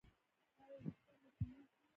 ایا ویښتان مو توییږي؟